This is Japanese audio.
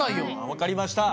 分かりました。